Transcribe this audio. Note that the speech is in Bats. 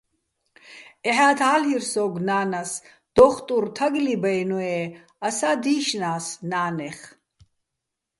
ეჰა́თ ა́ლირ სოგო̆ ნანას, დო́ხტურ თაგლიბ-ა́ჲნო̆-ე́ ასა́ დი́შნა́ს ნანეხ.